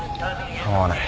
構わない。